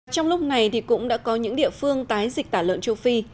trong lúc này thì cũng đã có những địa phương tái dịch tả lợn châu phi